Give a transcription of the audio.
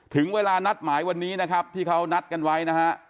ถึงเวลานัดหมายวันนี้นะครับที่เขานัดกันไว้นะฮะ